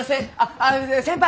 あっ先輩！